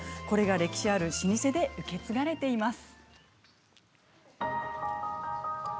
歴史ある老舗で受け継がれています。